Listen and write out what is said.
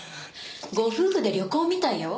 ご夫婦で旅行みたいよ。